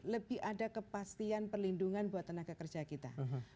lebih ada kepastian perlindungan buat tenaga kerja kita